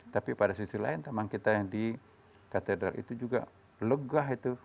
tapi pada sisi lain teman kita yang di katedral itu juga legah itu